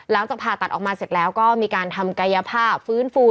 ผ่าตัดออกมาเสร็จแล้วก็มีการทำกายภาพฟื้นฟู